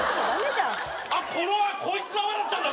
この泡こいつの泡だったんだ！？